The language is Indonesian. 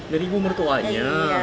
dari ibu mertuanya